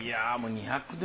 ２００年